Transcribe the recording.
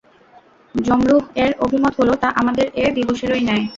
জমহুর-এর অভিমত হলো তা আমাদের এ দিবসেরই ন্যায়।